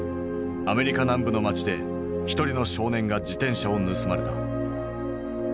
アメリカ南部の町で一人の少年が自転車を盗まれた。